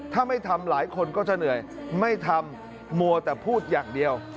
ถ้าไม่ทำหลายคนก็จะเหนื่อยไม่ทำมัวแต่พูดอย่างเดียว